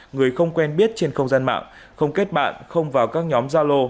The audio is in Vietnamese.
người không quen biết trên không gian mạng không kết bạn không vào các nhóm gia lô